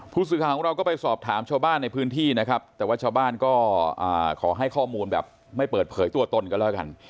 ผู้สื่อข่าวของเราก็ไปสอบถามชาวบ้านในพื้นที่นะครับแต่ว่าชาวบ้านก็ขอให้ข้อมูลแบบไม่เปิดเผยตัวตนกันแล้วกัน